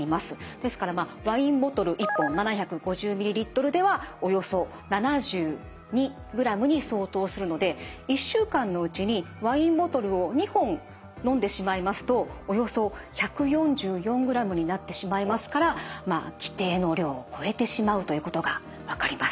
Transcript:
ですからまあワインボトル１本７５０ミリリットルではおよそ７２グラムに相当するので１週間のうちにワインボトルを２本飲んでしまいますとおよそ１４４グラムになってしまいますからまあ規定の量を超えてしまうということが分かります。